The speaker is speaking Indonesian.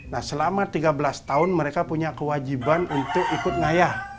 nah selama tiga belas tahun mereka punya kewajiban untuk ikut ngayah